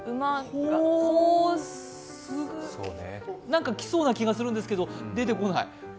何かきそうな気がするんですけど、出てこない。